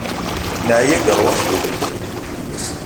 Neɛya deg ṛṛwaḥ d uwelli.